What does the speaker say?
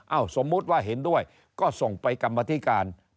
สมมุติว่าเห็นด้วยก็ส่งไปกรรมธิการ